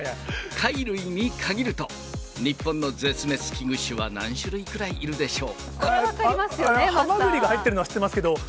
貝類に限ると、日本の絶滅危惧種は何種類くらいいるでしょう？